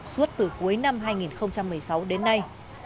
suốt từ cuối năm hai nghìn một mươi sáu đến nay